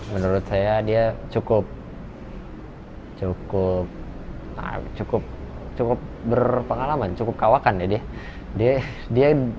menurut saya dia cukup berpengalaman cukup kawakan ya dia